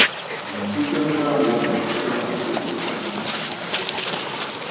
Mpfuse mura nwong ndzisoh ma ndtoh bur ma ngywum puā nte.